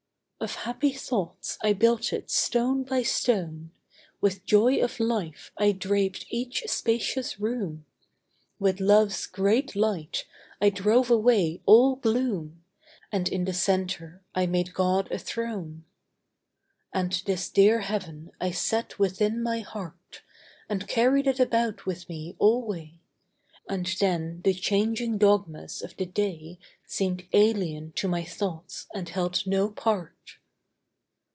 Of happy thoughts I built it stone by stone, With joy of life I draped each spacious room, With love's great light I drove away all gloom, And in the centre I made God a throne. And this dear heaven I set within my heart, And carried it about with me alway, And then the changing dogmas of the day Seemed alien to my thoughts and held no part.